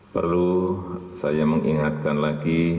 perlu saya mengingatkan lagi